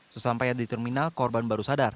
sesampainya di terminal korban baru sadar